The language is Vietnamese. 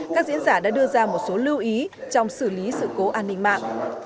các diễn giả đã đưa ra một số lưu ý trong xử lý sự cố an ninh mạng